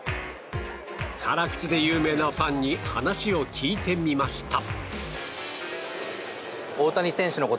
辛口で有名なファンに話を聞いてみました。